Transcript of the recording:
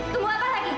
tunggu apa lagi